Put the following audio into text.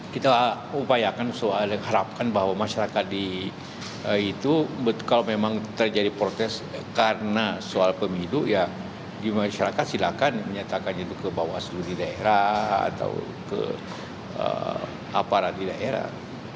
kita upayakan harapkan bahwa masyarakat di itu kalau memang terjadi protes karena soal pemilu ya di masyarakat silakan menyatakan itu ke bawaslu di daerah atau ke aparat di daerah